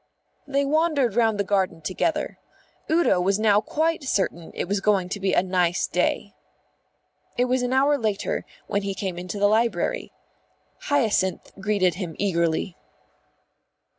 They wandered round the garden together. Udo was now quite certain it was going to be a nice day. It was an hour later when he came into the library. Hyacinth greeted him eagerly.